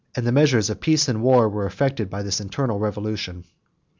The measures of peace and war were affected by this internal revolution.